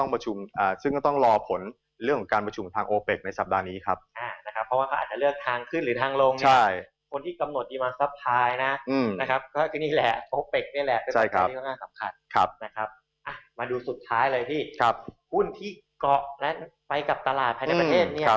มาดูสุดท้ายเลยที่หุ้นที่เกาะและไปกับตลาดภายในประเทศมีอะไรบ้างและแนะนำหุ้นตัวไหนบ้าง